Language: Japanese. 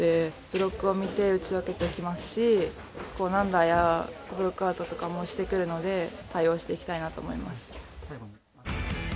ブロックを見て打ち分けてきますし、軟打やブロックアウトとかもしてくるので対応していきたいなと思います。